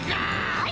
はい。